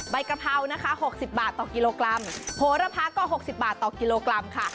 ใบกระเพรานะคะหกสิบบาทต่อกิโลกรัมโผล่ระพะก็หกสิบบาทต่อกิโลกรัมค่ะ